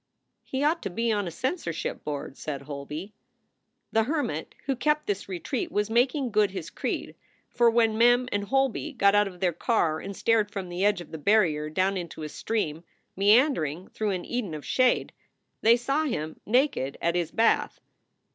"He ought to be on a censorship board," said Holby. The hermit who kept this retreat was making good his creed, for when Mem and Holby got out of their car and stared from the edge of the barrier down into a stream meandering through an Eden of shade, they saw him naked at his bath.